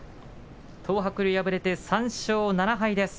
東白龍敗れて３勝７敗です。